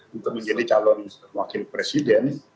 untuk menjadi calon wakil presiden